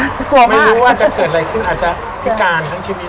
ตัวอยู่ในโรงพยาบาลทั้งหมด๗วัน